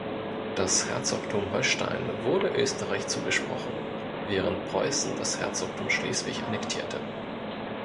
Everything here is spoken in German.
Das Herzogtum Holstein wurde Österreich zugesprochen, während Preußen das Herzogtum Schleswig annektierte.